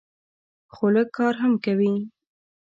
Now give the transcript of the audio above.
خو لږ کار هم کوي.